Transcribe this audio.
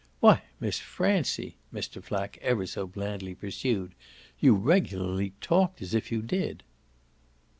Why Miss Francie," Mr. Flack ever so blandly pursued, "you regularly TALKED as if you did."